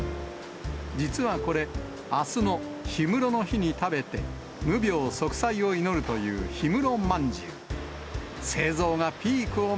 実はこれ、あすの氷室の日に食べて、無病息災を祈るという氷室まんじゅう。